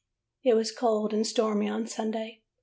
"It was cold and stormy on Sunday.